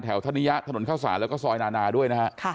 ธนิยะถนนเข้าสารแล้วก็ซอยนานาด้วยนะฮะ